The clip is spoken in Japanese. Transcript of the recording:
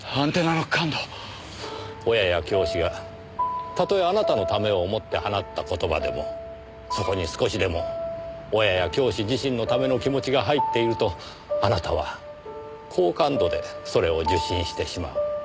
親や教師がたとえあなたのためを思って放った言葉でもそこに少しでも親や教師自身のための気持ちが入っているとあなたは高感度でそれを受信してしまう。